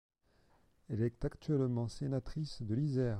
Elle est actuellement sénatrice de l'Isère.